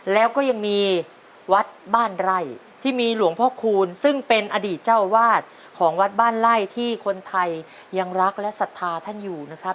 แล้วก็ยังมีวัดบ้านไร่ที่มีหลวงพ่อคูณซึ่งเป็นอดีตเจ้าวาดของวัดบ้านไล่ที่คนไทยยังรักและศรัทธาท่านอยู่นะครับ